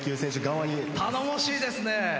頼もしいですね。